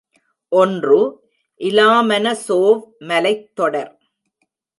ஒன்று இலாமன சோவ் மலைத்தொடர்.